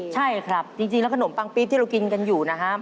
ใช่ครับจริงแล้วขนมปังปี๊บที่เรากินกันอยู่นะครับ